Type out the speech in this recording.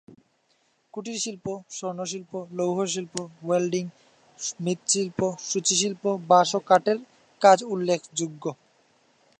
কুটিরশিল্প স্বর্ণশিল্প, লৌহশিল্প, ওয়েল্ডিং, মৃৎশিল্প, সূচিশিল্প, বাঁশ ও কাঠের কাজ উল্লেখযোগ্য।